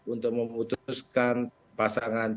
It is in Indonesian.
untuk memutuskan pasangan